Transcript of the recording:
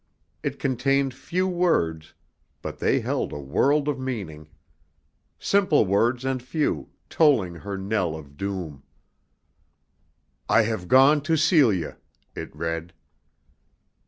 It contained few words, but they held a world of meaning. Simple words and few, tolling her knell of doom. "I have gone to Celia," it read.